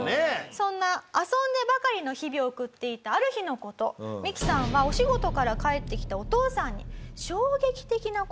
そんな遊んでばかりの日々を送っていたある日の事ミキさんはお仕事から帰ってきたお父さんに衝撃的な事を言われます。